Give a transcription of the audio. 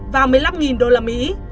và một mươi năm đô la mỹ